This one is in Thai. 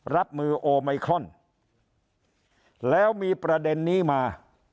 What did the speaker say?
รับมือโอไมครอนแล้วมีประเด็นนี้มา